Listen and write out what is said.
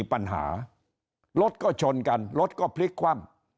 ปัญหารถก็ชนกันรถก็พลิกคว่ำ